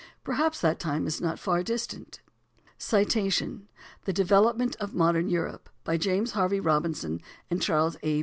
Perhaps that time is not far distant. ["The Development of Modern Europe." By James Harvey Robinson and Charles A.